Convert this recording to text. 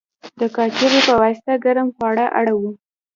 د کاچوغې په واسطه ګرم خواړه اړوو.